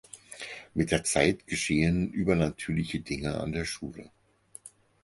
Mit der Zeit geschehen übernatürliche Dinge an der Schule.